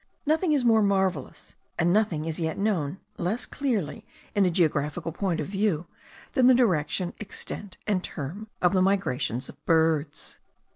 Nothing is more marvellous, and nothing is yet known less clearly in a geographical point of view, than the direction, extent, and term of the migrations of birds.